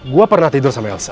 gue pernah tidur sama elsa